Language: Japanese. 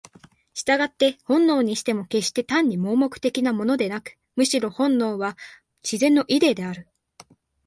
従って本能にしても決して単に盲目的なものでなく、むしろ本能は「自然のイデー」である。